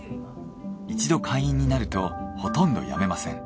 一度会員になるとほとんど辞めません。